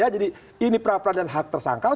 jadi ini perapradilan hak tersangkaus